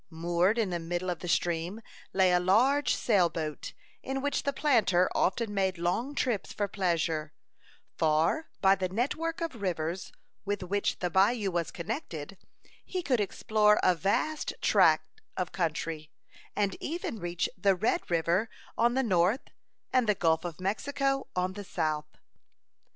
Moored in the middle of the stream lay a large sail boat, in which the planter often made long trips for pleasure; for, by the network of rivers with which the bayou was connected, he could explore a vast tract of country, and even reach the Red River on the north, and the Gulf of Mexico on the south.